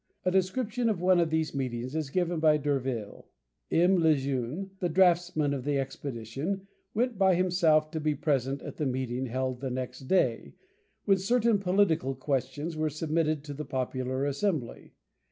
A description of one of these meetings is given by D'Urville. "M. Lejeune, the draughtsman of the expedition, went by himself to be present at the meeting held the next day, when certain political questions were submitted to the popular assembly.